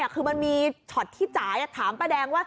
คือมันมีชอบที่เหยาถามป้าแดง